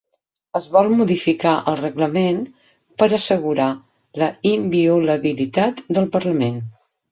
Es vol modificar el reglament per assegurar la inviolabilitat del parlament